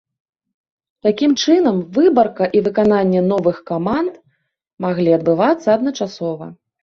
Такім чынам, выбарка і выкананне новых каманд маглі адбывацца адначасова.